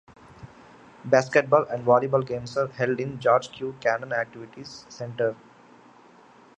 Basketball and volleyball games are held in the George Q. Cannon Activities Center.